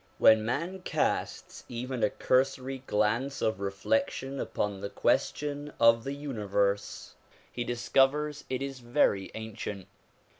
When man casts even a cursory glance of reflection upon the question of the universe, he discovers it is very ancient.